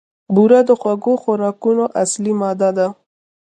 بوره د خوږو خوراکونو اصلي ماده ده.